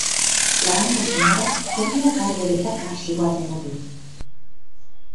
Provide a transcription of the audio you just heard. La banda sonora corrió a cargo de Takashi Watanabe.